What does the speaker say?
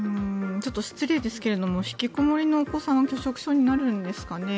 ちょっと失礼ですが引きこもりのお子さんは拒食症になるんですかね。